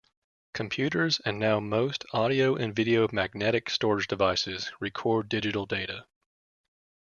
Computers and now most audio and video magnetic storage devices record digital data.